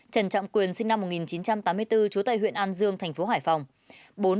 ba trần trọng quyền sinh năm một nghìn chín trăm tám mươi bốn chú tại huyện an dương tp hà nội